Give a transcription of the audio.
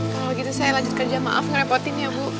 kalau begitu saya lanjut kerja maaf ngerepotin ya bu